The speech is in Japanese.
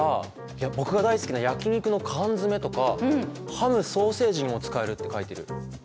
僕が大好きな焼き肉の缶詰めとかハム・ソーセージにも使えるって書いてる。